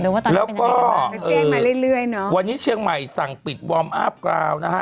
แล้วก็วันนี้เชียงใหม่สั่งปิดวอร์มอัพกราวนะฮะ